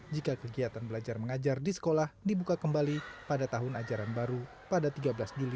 jika kegiatan belajar mengajar di sekolah dibuka kembali pada tahun ajaran baru pada tiga belas juli dua ribu